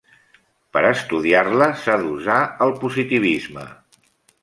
Per estudiar-la, s'ha d'usar el positivisme.